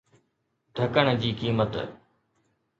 ڍڪڻ جي قيمت